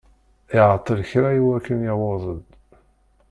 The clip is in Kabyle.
Iɛeṭṭel kra i wakken yewweḍ-d.